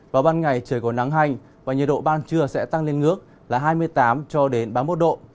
vào ban ngày trời còn nắng hành và nhiệt độ ban trưa sẽ tăng lên ngước là hai mươi tám ba mươi một độ